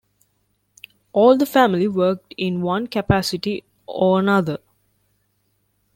All the family worked in one capacity or another.